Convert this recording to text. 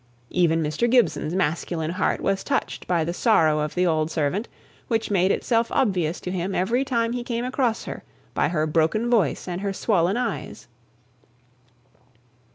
Even Mr. Gibson's masculine heart was touched by the sorrow of the old servant, which made itself obvious to him every time he came across her by her broken voice and her swollen eyes.